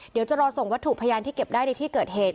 เดี๋ยวจะรอส่งวัตถุพยานที่เก็บได้ในที่เกิดเหตุ